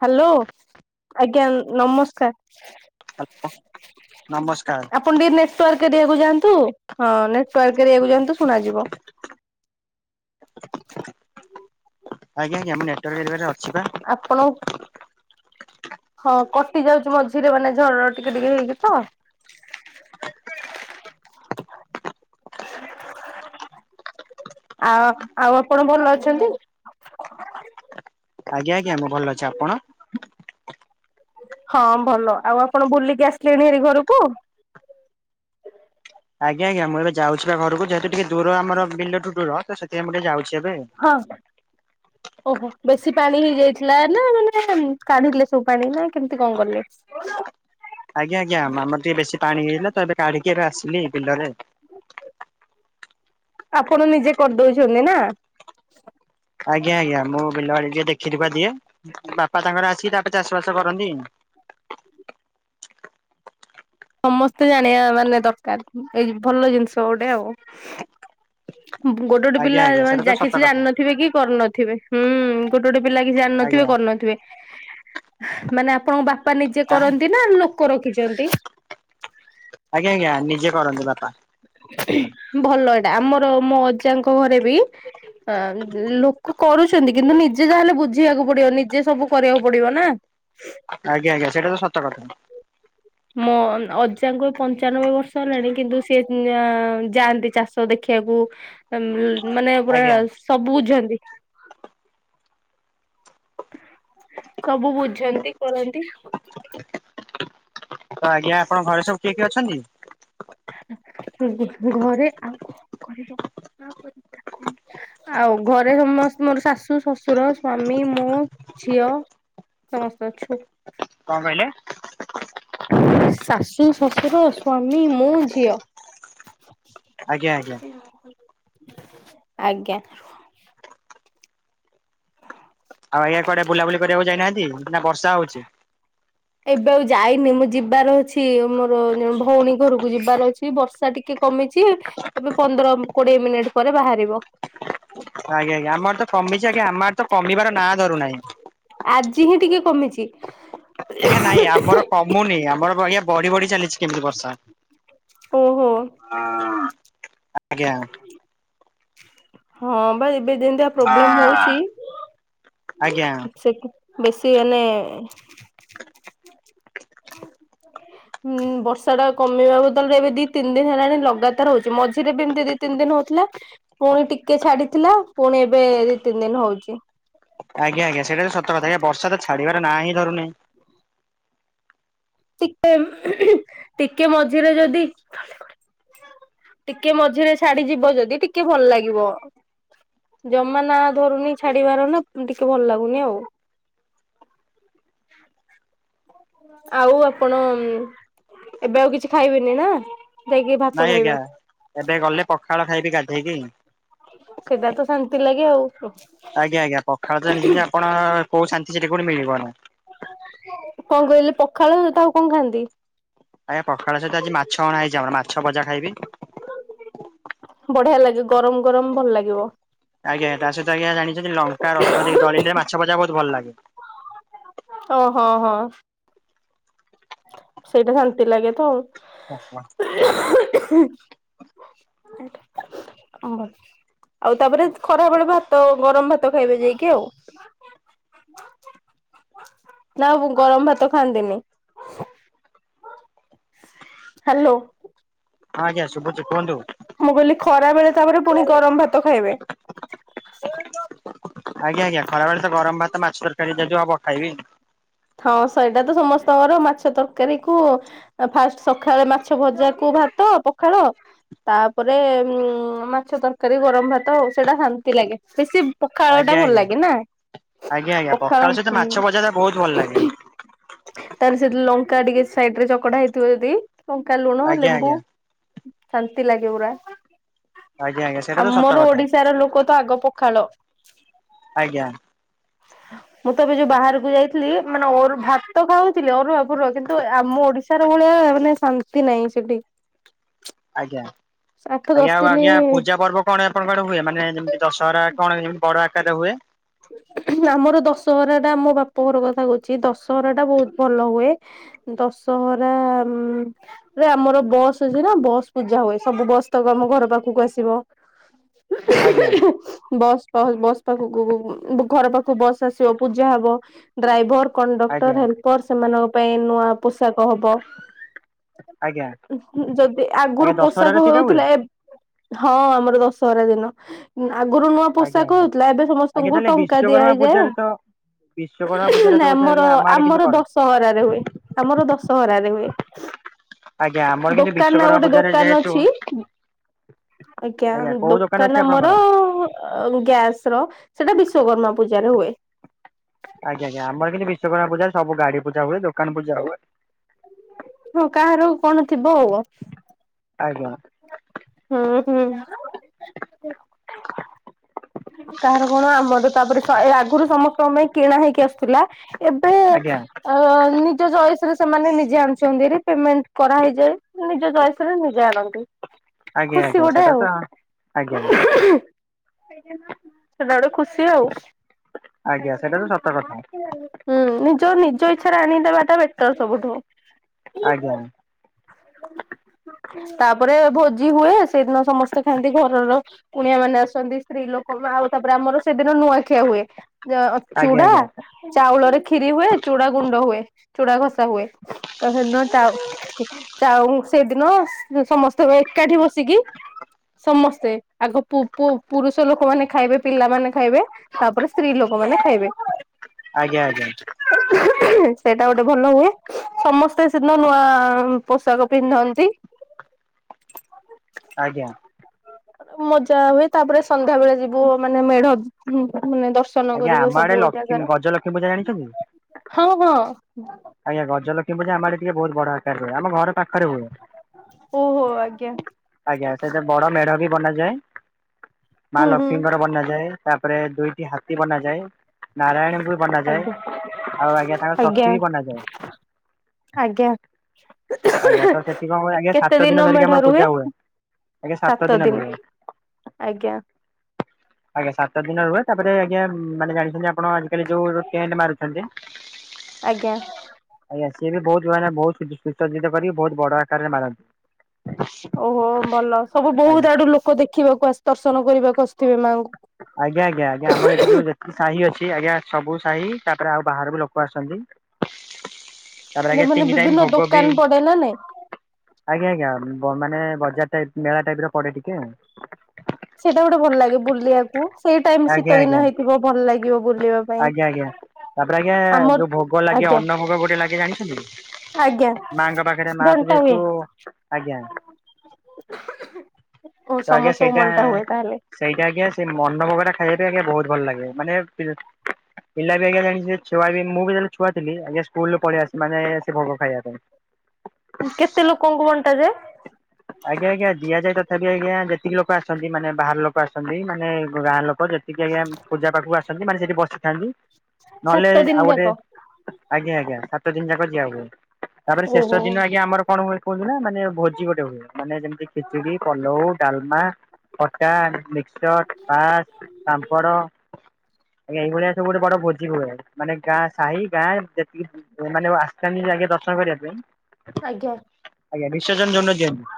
Hello ଆଜ୍ଞା ନମସ୍କାର। Hello ନମସ୍କାର। ଆପଣ ଟିକେ ନେଟୱାର୍କ ଏରିଆ କୁ ଯାଆନ୍ତୁ ହଁ ନେଟୱାର୍କ ଏକୁ ଯାଆନ୍ତୁ ଶୁଣାଯିବ। ଆଜ୍ଞା ଆଜ୍ଞା ମୁଁ ନେଟୱାର୍କ ଏରିବାରେ ଅଛି ବା। ଆପଣ ହଁ କଟି ଯାଉଛି ମଝିରେ ମାନେ ଝର ଟିକେ ଟିକେ ହେଇକି ତ ଆଉ ଆଉ ଆପଣ ଭଲ ଅଛନ୍ତି? ଆଜ୍ଞା ଆଜ୍ଞା ମୁଁ ଭଲ ଅଛି ଆପଣ? ହଁ ଭଲ ଆଉ ଆପଣ ବୁଲିକି ଆସିଲେଣି ହେରି ଘରକୁ? ଆଜ୍ଞା ଆଜ୍ଞା ମୁଁ ଏବେ ଯାଉଛି ବା ଘରକୁ ଯେହେତୁ ଟିକେ ଦୂର ଆମର ବିଲଠୁ ଦୂର ତ ସେଥିପାଇଁ ମୁଁ ଟିକେ ଯାଉଛି ଏବେ। ହଁ। ଓହୋ ବେଶୀ ପାଣି ହେଇଯାଇଥିଲା ନା ମାନେ କାଢି଼ଲେ ସବୁ ପାଣି ନା କେମିତି କଣ କଲେ? ବୋଉଲୋ ଆଜ୍ଞା ଆଜ୍ଞା ମାମର ଟିକେ ବେଶୀ ପାଣି ହେଇଥିଲା ତ ଏବେ କାଢି଼କି ଏବେ ଆସିଲି ବିଲରେ। ଆପଣ ନିଜେ କରିଦଉଚନ୍ତି ନା। ଆଜ୍ଞା ଆଜ୍ଞା ମୁଁ ବିଲବାଳି ଟିକେ ଦେଖିଦୁଖା ଦିଏ। ବାପା ତାଙ୍କର ଆସିକି ତାପରେ ଚାଷ ବାସ କରନ୍ତି। ସମସ୍ତେ ଜାଣିବା ମାନେ ଦରକାର ଏଇ ଭଲ ଜିନିଷ ଗୋଟେ ଆଉ। ଗୋଟେ ଗୋଟେ ଆଜ୍ଞା ପିଲା ଆଜ୍ଞା ସେଇଟା ତ ଯମା ସତ କିଛି କଥା ଜାନଥିବେ କି କରି ନଥିବେ। ଗୋଟେ ଗୋଟେ ପିଲା କିଛି ଜାଣି ନଥିବେ ଆଜ୍ଞା। କରିନଥିବେ ମାନେ ଆପଣଙ୍କ ବା ପା ନିଜେ କରନ୍ତି ନା ଲୋକ ରଖିଛନ୍ତି। ଆଜ୍ଞା ଆଜ୍ଞା ନିଜେ କରନ୍ତି ବାପା। ତି ଭଲ ଏଇଟା ଆମର ମୋ ଅଜାଙ୍କ ଘରେ ବି ହଁ ଲୋକ କରୁଛନ୍ତି କିନ୍ତୁ ନିଜେ ଯାହେଲେ ବୁଝିବାକୁ ପଡିବ ନିଜେ ସବୁ କରିବାକୁ ପଡିବ ନା। ଆଜ୍ଞା ଆଜ୍ଞା ସେଇଟା ତ ସତ କଥା। ମୋ ଅଜାଙ୍କୁ ପଞ୍ଚାନବେ ବର୍ଷ ହେଲାଣି କିନ୍ତୁ ସିଏ ଅ ଯାଆନ୍ତି ଚାଷ ଦେଖିବାକୁ। ଉଁ ମାନେ ପୁରା ଆଜ୍ଞା ସବୁ ବୁଝନ୍ତି। ସବୁ ବୁଝନ୍ତି କରନ୍ତି। ତ ଆଜ୍ଞା ଆପଣଙ୍କ ଘରେ ସବୁ କିଏ କିଏ ଅଛନ୍ତି? [unintelligible] ଘରେ ଆଉ କଣ କରିବ [unintelligible] ଆଉ ଘରେ ସମସ୍ତେ ମୋର ଶାଶୁ ଶ୍ୱଶୁର ସ୍ଵାମୀ ମୁଁ ଝିଅ। ସମସ୍ତେ ଅଛୁ। କଣ କହିଲେ? ଶାଶୁ ଶ୍ୱଶୁର ସ୍ୱାମୀ ମୁଁ ଝିଅ। ଆଜ୍ଞା ଆଜ୍ଞା। ଆଜ୍ଞା। ଆଉ ଆଜ୍ଞା କୁଆଡ଼େ ବୁଲାବୁଲି କରିବାକୁ ଯାଇନାହାନ୍ତି ନା ବର୍ଷା ହଉଚି। ଏବେ ଆଉ ଯାଇନି ମୁଁ ଯିବାର ଅଛି ମୋର ଜଣେ ଭଉଣୀ ଘରକୁ ଯିବାର ଅଛି। ଏଇ ବର୍ଷା ଟିକେ କମିଚି ଏବେ ପନ୍ଦର କୋଡିଏ ମିନିଟ ପରେ ବାହାରିବ। ଆଜ୍ଞା ଆଜ୍ଞା ଆମର ତ କମିଚି ଆଜ୍ଞା ଆମର ତ କମିବାର ନାଁ ଧରୁନାହିଁ। ଆଜି ହିଁ ଟିକେ କମିଚି। ଆଜ୍ଞା ନାଇଁ ଆମର କମୁନି ଆମର ଆୟାଁ ବଢି଼ ବଢି଼ ଚାଲିଚି କେମିତି ବର୍ଷା। ଓହୋ। ଆଜ୍ଞା। ହଁ ବା ଏବେ ଯେମିତିଆ ପ୍ରବ୍ଲେମ ହଉଛି ଆଜ୍ଞା ସେଟୁ ବେଶୀ ମାନେ ହୁଁ ବର୍ଷା ଟା କମେଇବା ବଦଳରେ ଏବେ ଦି ତିନି ଦିନ ହେଲାଣି ଲଗାତାର ହଉଛି ମଝିରେ ବି ଏମିତି ଦି ତିନି ଦିନ ହଉଥିଲା ପୁଣି ଟିକେ ଛାଡିଥିଲା ପୁଣି ଏବେ ଦି ତିନି ଦିନ ହଉଚି। ଆଜ୍ଞା ଆଜ୍ଞା ସେଇଟା ସତ କଥା ଆଜ୍ଞା ବର୍ଷା ତ ଛାଡିବାର ନା ହିଁ ଧରୁନି। ଟିକେମ ଟିକେ ମଝିରେ ଯଦି ଟିକେ ମଝିରେ ଛାଡ଼ି ଯିବ ଯଦି ଟିକେ ଭଲ ଲାଗିବ। ଜମା ନା ଧରୁନି ଛାଡିବାର ନା ଟିକେ ଭଲ ଲାଗୁନି ଆଉ। ଆଉ ଆପଣ ଏବେ ଆଉ କିଛି ଖାଇବେନି ନା। ଯାଇକି ଭାତ ନାଇଁ ଖାଇବେ। ଆଜ୍ଞା। ଏବେ କଣ? ଗଲେ ପଖାଳ ଖାଇବି ଗାଧେଇକି। ସେଟା ତ ଶାନ୍ତି ଲାଗେ ଆଉ କଁ? ଆଜ୍ଞା ଆଜ୍ଞା ପଖାଳ ତ ଜାଣିଛନ୍ତି ଆପଣ କୋଉ ଶାନ୍ତି ସେଠି ପୁଣି ମିଳିବ ନାହିଁ। କଁ କହିଲେ ପଖାଳ ଭାତ ଆଉ କଣ ଖାଆନ୍ତି। ଆଜ୍ଞା ପଖାଳ ସହିତ ଆଜି ମାଛ ଅଣା ହେଇଛି ଆମର ମାଛ ଭଜା ଖାଇବି। ବଢିଆ ଲାଗେ ଗରମ ଗରମ ଭଲ ଲାଗିବ। ଆଜ୍ଞା ତା ସହିତ ଆଜ୍ଞା ଜାଣିଛନ୍ତି ଲଙ୍କା ରସୁଣ ଦେଇକି ଦଳିଲେ ମାଛ ଭଜା ବହୁତ ଭଲ ଲାଗେ। ଓ ହୋ ହଁ ହଁ। ସେଇଟା ଶାନ୍ତି ଲାଗେ ତ ଆଉ। [unintelligible] [inaudible] ଆଉ ତାପରେ ଖରାବେଳେ ଭାତ ଗରମ ଭାତ ଖାଇବେ ଯାଇକି ଆଉ। ନା ମୁଁ ଗରମ ଭାତ ଖାଆନ୍ତିନି। ହାଲୋ। ଆଜ୍ଞା ଶୁଭୁଛି କୁହନ୍ତୁ ମୁଁ କହିଲି ଖରା ବେଳେ ତାପରେ ପୁଣି ଗରମ ଭାତ ଖାଇବେ। [inaudible] ଆଜ୍ଞା ଆଜ୍ଞା ଖରା ବେଳେ ତ ଗରମ ଭାତ ମାଛ ତରକାରୀ ହେଇଯାଇଥିବ ଆଉ କଣ ଖାଇବି। ହଁ ସେଇଟା ତ ସମସ୍ତଙ୍କର ମାଛ ତରକାରୀ କୁ ଫାଷ୍ଟ ସଖାଳେ ମାଛ ଭଜାକୁ ଭାତ ପଖାଳ। ତାପରେ ଉ ମାଛ ତରକାରୀ ଗରମ ଭାତ ଆଉ। ସେଟା ଶାନ୍ତି ଲାଗେ ବେଶୀ ପଖାଳ ଟା ଆଜ୍ଞା ଭଲ ଆଜ୍ଞା ଲାଗେ ନା। ଆଜ୍ଞା ଆଜ୍ଞା ପଖାଳ ସହିତ ହୁଁ ମାଛ ଭଜା ଟା ବହୁତ ଭଲ ଲାଗେ। ତାରେ ସେ ଲଙ୍କା ଟିକେ ସାଇଡ ରେ ଚକଡା ହେଇଥିବ ଯଦି ଲଙ୍କା ଲୁଣ ଆଜ୍ଞା ଲେମ୍ବୁ। ଆଜ୍ଞା ଶାନ୍ତି ଲାଗେ ପୁରା ଆଜ୍ଞା ଆଜ୍ଞା ସେଇଟା ତ ସତ ଆମର କଥା ଓଡିଶାର ଲୋକ ତ ଆଗ ପ ଖାଳ ଆଜ୍ଞା। ମୁଁ ତ ଏବେ ଯୋଉ ବାହାରକୁ ଯାଇଥିଲି ମାନେ ଓରପ ଭାତ ଖାଉଥିଲି ଅରୁଆପୁର କିନ୍ତୁ ଆମ ଓଡିଶା ସାର ଭଳିଆ ମାନେ ଶାନ୍ତି ନାହିଁ ସେଠି। ଆଜ୍ଞା ଆଠ ଦଶ ଆଜ୍ଞା ଆଉ ଦିନି ଆଜ୍ଞା ପୂଜା ପର୍ବ କଣ ଆପଣଙ୍କର ହୁଏ ମାନେ ଯେମିତି ଦଶହରା କଣଏ ଯେମିତି ବଡ ଆକାରରେ ହୁଏ। ଆମର ଦଶହରା ଟା ଆମ ବାପା ଘର କଥା କହୁଛି ଦଶହରା ଟା ବହୁତ ଭଲ ହୁଏ। ଦଶହରା ଆମର ବସ୍ ଅଛି ନା ବସ୍ ପୂଜା ହୁଏ ସବୁ ବସ୍ ତକ ଆମ ଘର ପାଖକୁ ଆସିବ। ହୁଁ ଆଜ୍ଞା। ବସ୍ ବସ୍ ପାଖକୁ ଘର ପାଖକୁ ବସ୍ ଆସିବ ପୂଜା ହବ। ଡ୍ରାଇଭର କଣ୍ଡକ୍ଟର ଆଜ୍ଞା ହେଲ୍ପର ସେମାନଙ୍କ ପାଇଁ ନୂଆ ପୋଷାକ ହବ। ଆଜ୍ଞା ଯଦି ଆଜ୍ଞା ଆଗରୁ ଦଶହରାରେ ପୋଷାକ ସେଇଟା ହୁଏ ହଉଥିଲା ଏ ହଁ ଆମର ଦଶହରା ଦିନ ଆଗରୁ ନୂଆ ଆଜ୍ଞା ପୋଷାକ ଆଜ୍ଞା। ହଉଥିଲା ଏବେ ସମସ୍ତେ ଆଜ୍ଞା ସ୍ତଙ୍କୁ ତାହେଲେ ଟଙ୍କା ଦିଆ ବିଶ୍ଵକର୍ମା ହେଇଯାଏ ପୂଜାରେ ତ ବିଶ୍ଵକର୍ମା ପୂଜାରେ ତ ବୋଧେ ଆମର ଆଜ୍ଞା ଆମ ଆଡେ କିନ୍ତୁ ଆମର ଦ କରନ୍ତି। ଶହରାରେ ହୁଏ ଆମର ଦଶହରାରେ ହୁଏ। ଆଜ୍ଞା ଆମର କିନ୍ତୁ ଦୋକାନ ଆଉ ବିଶ୍ଵକର୍ମା ଗୋଟେ ପୂଜାରେ ଦୋକାନ ଯେହେତୁ ଅଛି। ଆଜ୍ଞା କୋଉ ଅଛି ଦୋକାନ ଆମର ଆପଣଙ୍କର? ଅ ଗ୍ୟାସ ର ସେଟା ବିଶ୍ଵକର୍ମା ପୂଜାରେ ହୁଏ। ଆଜ୍ଞା ଜ୍ଞା ଆମ କିନ୍ତୁ ବିଶ୍ଵକର୍ମା ପୂଜା ସବୁ ଗାଡି ପୂଜା ହଏ ଦୋକାନ ପୂଜା ହୁଏ। ହଁ କାହାର କଣ ଥିବ ଆଉ। ଆଚ୍ଛା। ହୁଁ ହୁଁ। କାହାର କଣ ଆମ ଦେ ତାପରେ ଶ ଏ ଆଗୁରୁ ସମସ୍ତଙ୍କ ପାଇଁ କିଣା ହେଇକି ଆସୁଥିଲା। ଏବେ ଆଜ୍ଞା। ଅ ନିଜ ଚଏସ୍ ରେ ସେମାନେ ନିଜେ ଆଣୁଛନ୍ତି ରେ ପେମେଣ୍ଟ୍ କରାହେଇଯାଏ ନିଜ ଚଏସ୍ ରେ ନିଜେ ଆଣନ୍ତି। ଆଜ୍ଞା ଖୁସି ଆଜ୍ଞା ଗୋଟେ ସେଟା ଆଉ ତ ଆଜ୍ଞା। ସେଟା ଓଟେ ଖୁସି ଆଉ। ଆଜ୍ଞା ସେଟା ତ ସତ କଥା ହୁଁ ନିଜ ନିଜ ଇଚ୍ଛାରେ ଆଣି ଦେବାଟା ବେଟର୍ ସବୁଠୁ। ଆଜ୍ଞା। ତାପରେ ଭୋଜି ହୁଏ ସେଇଦିନ ସମସ୍ତେ ଖାଆନ୍ତି ଘରର କୁଣିଆ ମାନେ ଆସନ୍ତି। ସ୍ତ୍ରୀ ଲୋକ ମା ଆଉ ତାପରେ ଆମର ସେଦିନ ନୂଆଖିଆ ହୁଏ ଯ ଆଜ୍ଞା ଚୁଡ଼ା ଆଜ୍ଞା ଚାଉଳରେ କ୍ଷିରି ହୁଏ ଚୁଡ଼ା ଗୁଣ୍ଡ ହୁଏ ଚୁଡ଼ା ଘସା ହୁଏ ତ ହେନ ଚାଉ ଚାଉଁ ସେଦିନ ସ୍ ସମସ୍ତେ ମେ ଏକାଠି ବସିକି ସମସ୍ତେ ଆଗ ପୁଅ ପୁଅ ପୁରୁଷ ଲୋକମାନେ ଖାଇବେ ପିଲାମାନେ ଖାଇବେ ତାପରେ ସ୍ତ୍ରୀ ଲୋକମାନେ ଖାଇବେ। ହ ହ ସେଟା ଗୋଟେ ଭଲ ହୁଏ ସମସ୍ତେ ସେ ଦିନା ନୂଆ ପୋଷାକ ପିନ୍ଧନ୍ତି। ଆଜ୍ଞା। ମଜା ହୁଏ ତାପରେ ସନ୍ଧ୍ୟା ବେଳେ ଯିବୁ ମାନେ ମେଢ଼ ଉଁ ମାନେଦର୍ଶ ଶନ ଆଜ୍ଞା କରିବୁ ଆମ ଆଡେ ସବୁ ଲକ୍ଷ୍ମୀ ଜାଗାର ଗଜଲକ୍ଷ୍ମୀ ପୂଜା ଜାଣିଛନ୍ତି? ହଁ ହଁ। ଆଜ୍ଞା ଗଜଲକ୍ଷ୍ମୀ ପୂଜା ଆମ ଆଡ଼େ ଟିକେ ଭଉତ୍ ବଡ଼ ଆକାରରେ ହୁଏ ଆମ ଘର ପାଖରେ ହୁଏ। ଓହୋ ଆଜ୍ଞା ଆଜ୍ଞା ସେତ ବଡ଼ ମେଢ଼ ବି ବନାଯାଏ ମା ହୁଁ ହୁଁ ଲକ୍ଷ୍ମୀଙ୍କର ବନାଯାଏ। ତାପରେ ଦୁଇଟି ହାତୀ ବନାଯାଏ। ନାରାୟଣଙ୍କୁ ବି ବନାଯାଏ ଆଜ୍ଞା ଆଉ ଆଜ୍ଞା ତାଙ୍କର ସଖୀ ବି ବନାଯାଏ। ଆଜ୍ଞା। ଆଜ୍ଞା ତ ସେଠି କଁ ହୁଏ ଆଜ୍ଞା କେତେ ସାତ ଦିନ ଧରିକି ମେଢ ଆମର ରୁହେ ପୂଜା ହୁଏ। ଆଜ୍ଞା ସାତ ଦିନ ଧୁଏ। ଆଜ୍ଞା। ଆଜ୍ଞା ସାତ ଦିନ ରୁହେ ତାପରେ ଆଜ୍ଞା ମାନେ ଜାଣିଛନ୍ତି ଆପଣ ଆଜିକାଲି ଯୋଉ ଟେଣ୍ଟ ମାରୁଛନ୍ତି। ଆଜ୍ଞା। ଆଜ୍ଞା ସିଏ ବି ବହୁତ ମାନେ ବହୁତ ସୁଜ ସୁସଜ୍ଜିତ କରିକି ବହୁତ ବଡ଼ ଆକାରରେ ମାରନ୍ତି। ଓହୋ ଭଲ ସବୁ ଆଜ୍ଞା। ବହୁତ ଆଡ଼ୁ ଲୋକ ଦେଖିବାକୁ ଆସ୍ ଦର୍ଶନ କରିବାକୁ ଆସୁଥିବେ ମାଆଙ୍କୁ। ଆଜ୍ଞା ଆଜ୍ଞା ଆଜ୍ଞା ଆମର ଏଠି ଯୋଉ ଯେ ଇ ସାହି ଅଛି ଆଜ୍ଞା ସବୁ ସାହି ତାପରେ ଆଉ ବାହାର ବି ଲୋକ ଆସନ୍ତି। ତାପରେ ଏ ଆଜ୍ଞା ମାନେ ତିନି ଟାଇମ୍ ବିଭିନ୍ନ ଭୋଗ ବି ଦୋକାନ ପଡେ ନା ନାଇଁ ଆଜ୍ଞା ଆଜ୍ଞା ବ ମାନେ ବଜାର ଟାଇପ୍ ମେଳା ଟାଇପ୍ ର ପଡ଼େ ଟିକେ। ସେଇଟା ଗୋଟେ ଭଲ ଲାଗେ ବୁଲିବାକୁ ସେଇ ଟାଇମ୍ ଆଜ୍ଞା ଶୀତ ଆଜ୍ଞା ଦିନ ହେଇଥିବ ଭଲ ଲାଗିବ ବୁଲିବା ପାଇଁ ଆଜ୍ଞା ଆଜ୍ଞା ତାପରେ ଆଜ୍ଞା ଆମର ଯୋଉ ଭୋଗ ଲାଗେ ଆଜ୍ଞା ଅନ୍ନ ଭୋଗ ଗୋଟେ ଲାଗେ ଜାଣିଛନ୍ତି? ଆଜ୍ଞା ମାଙ୍କ ପାଖରେ ମା ତ ଘଣ୍ଟା ହୁଏ ଯେହେତୁ ଆଜ୍ଞା। ଓ ସମସ୍ କା ସେଇଟା ଆଜ୍ଞା ସେ ମନ ଭୋଗରା ଖାଇବା ପାଇଁ ଆଜ୍ଞା ବହୁତ ଭଲ ଲାଗେ ମାନେ ପି ପିଲା ବି ଆଜ୍ଞା ଜାଣି ସେ ଛୁଆ ବି ମୁଁ ବି ଯେଲେ ଛୁଆ ଥିଲି ଆଜ୍ଞା ସ୍କୁଲ୍ ରୁ ପଳିଆଆସ୍ ମାନେ ସେ ଭୋଗ ଖାଇବା ପାଇଁ। ଉଁ କେତେ ଲୋକଙ୍କୁ ବଣ୍ଟା ଯାଏ? ହ [unintelligible] ଆଜ୍ଞା ଆଜ୍ଞା ଦିଆଯାଏ ତଥାପି ଆଜ୍ଞା ଯେତିକି ଲୋକ ଆସନ୍ତି ମାନେ ବାହାର ଲୋକ ଆସନ୍ତି ମାନେ ଗାଁ ଲୋକ ଯେ ଟିକେ ଆଜ୍ଞା ପୂଜା ପାଖକୁ ଆସନ୍ତି ମାନେ ସେଠି ବସିଥାନ୍ତି ନହେଲେ ସାତ ଦିନ ଆଉ ଗୋଟେ ଯାକ। ଆଜ୍ଞା ଆଜ୍ଞା ସାତ ଦିନ ଯାକ ଯିଆ ହୁଏ ତାପରେ ଓହୋ ଶେଷ ଦିନ ଆଜ୍ଞା ଆମର କଣ ହୁଏ କୁହନ୍ତୁ ନା ମାନେ ଭୋଜି ଗୋଟେ ହୁଏ। ମାନେ ଯେମିତି ଖିଚୁଡି, ପଲଉ, ଡାଲମା। ଖଟା, ମିକ୍ସଚର, ପାସ୍, ପାମ୍ପଡ଼। ଆଜ୍ଞା, ଏଇଭଳିଆ ସବୁ ଗୋଟେ ବଡ ଭୋଜି ହୁଏ। ମାନେ ଗାଁ, ସାହି ଗାଁ, ଯେତିକି ମାନେ ଆଜ୍ଞା। ଦର୍ଶନ କରିବା ପାଇଁ ଆଜ୍ଞା ବିସର୍ଜନ ଯୋଉ ଦିନ ଦିଅନ୍ତି।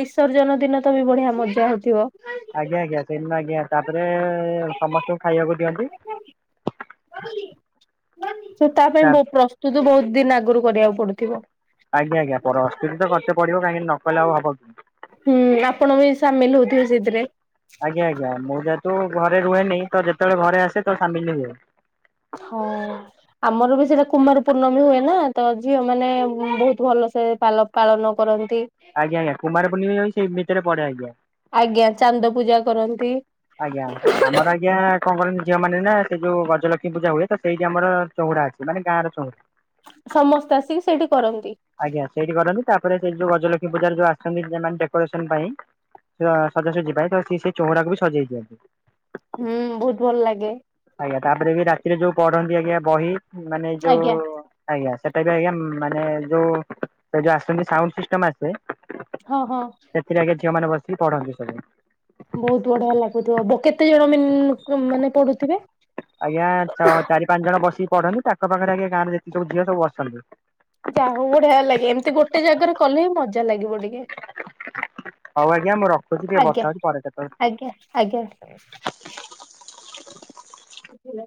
ବିସର୍ଜନ ଦିନ ତ ବି ବଢିଆ ମଜା ହଉଥିବ। ଆଜ୍ଞା ଆଜ୍ଞା ସେଇଦିନ ଆଜ୍ଞା ତାପରେ ସମସ୍ତଙ୍କୁ ଖାଇବାକୁ ଦିଅନ୍ତି। ସେ ତା ପାଇଁ ପ୍ରସ୍ତୁତ ବହୁତ ଦିନ ଆଗରୁ କରିବାକୁ ପଡୁଥିବ। ଆଜ୍ଞା ଆଜ୍ଞା ପ୍ରସ୍ତୂତି ତ କରତେ ପଡ଼ିବ କାହିଁକି ନ କଲେ ଆଉ ହବି କି। ହୁଁ ଆପଣ ବି ସାମିଲ ହଉଥିବେ ସେଥିରେ। ଆଜ୍ଞା ଆଜ୍ଞା ମୁଁ ଯେହେତୁ ଘରେ ରୁହେନି ତ ଯେତେବେଳେ ଘରେ ଆସେ ତ ସାମିଲ ହୁଏ। ହଉ। ଆମର ବି ସେଇଟା କୁମାର ପୂର୍ଣ୍ଣମୀ ହୁଏ ନା ତ ଝିଅ ମାନେ ବହୁତ ଭଲ ସେ ପାଲକ। ପାଳନ କରନ୍ତି। ଆଜ୍ଞା ଆଜ୍ଞା। କୁମାର ପୁର୍ଣିମା ବି ସେ ଭିତରେ ପଢେ ଆଜ୍ଞା। ଆଜ୍ଞା ଚାନ୍ଦ ପୂଜା କରନ୍ତି। ଆଜ୍ଞା ଆମର ଆଜ୍ଞା କଅଁ କରନ୍ତି ଝିଅ ମାନ ନା, ସେ ଯୋଉ ଗଜଲକ୍ଷ୍ମୀ ପୂଜା ହୁଏ, ତ ସେଇଠି ଆମ ଚଉଁଡା ଅଛି। ମାନେ ଗାଁର ଚଉଁରା। ସମସ୍ତେ ଆସିକି ସେଇଠି କରନ୍ତି। ଆଜ୍ଞା ସେଇଠି କରନ୍ତି ତାପରେ ସେଇ ଯୋଉ ଗଜଲକ୍ଷ୍ମୀ ପୂଜାର ଯୋଉ ଆସନ୍ତି ସେମାନେ ଡେକୋରେସନ ପାଇଁ। ସେ ସଜାସଜି ପାଇଁ ତ ସେ ସେଇ ଚଉଁରା କୁ ବି ସଜେଇ ଦିଅନ୍ତି। ହୁଁ, ବହୁତ ଭଲ ଲାଗେ। ଆଜ୍ଞା ‌ ତାପରେ ବି ରାତିରେ ଯୋଉ ପଢନ୍ତି ଆଜ୍ଞା ବହି ମାନେ ଯୋଉ ଆଜ୍ଞା ଆଜ୍ଞା ସେଟା ବି ଆଜ୍ଞା ମାନେ ଯୋଉ ସେ ଯୋଉ ଆସନ୍ତି ସାଉଣ୍ଡ ସିଷ୍ଟମ ଆସେ ହଁ, ହଁ। ସେଥିରେ ଆଜ୍ଞା ଝିଅ ମାନେ ବସିକି ପଢନ୍ତି ସବୁ। ବହୁତ ବଢିଆ ଲାଗୁଥିବ କେତେ ଜଣ ମାନେ ପଢୁଥିବେ? ଆଜ୍ଞା ଚାରି ପାଞ୍ଚ ଜଣ ବସିକି ପଢନ୍ତି ତାଙ୍କ ପାଖରେ ଆଜ୍ଞା ଗାଁରେ ଯେତିକ ସବୁ ଝିଅ ସବୁ ବସନ୍ତି। ଯା ହଉ ବଢିଆ ଲାଗେ ଏମିତି ଗୋଟେ ଜାଗାରେ କଲେ ହି ମଜା ଲାଗିବ ଟିକେ। ହଉ ଆଜ୍ଞା ମୁଁ ରଖୁଚି ଟିକଏ ଆଜ୍ଞା ବର୍ଷା ହଉଛି ପରେ କେତେବେଳେ ଆଜ୍ଞା ଆଜ୍ଞା।